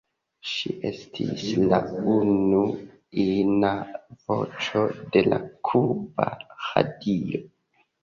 Ŝi estis la unu ina voĉo de la kuba radio.